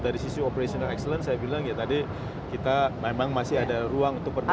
dari sisi operational excellence saya bilang ya tadi kita memang masih ada ruang untuk perbaikan